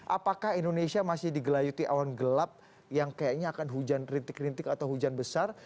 apakah indonesia masih digelayuti awan gelap yang kayaknya akan hujan rintik rintik atau hujan besar